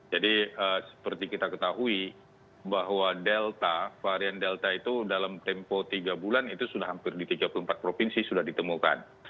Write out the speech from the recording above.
jadi seperti kita ketahui bahwa delta varian delta itu dalam tempo tiga bulan itu sudah hampir di tiga puluh empat provinsi sudah ditemukan